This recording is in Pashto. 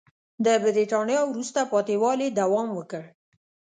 د برېټانیا وروسته پاتې والي دوام وکړ.